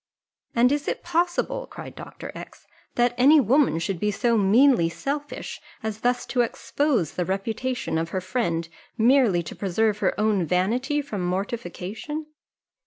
"And is it possible," cried Dr. X , "that any woman should be so meanly selfish, as thus to expose the reputation of her friend merely to preserve her own vanity from mortification?"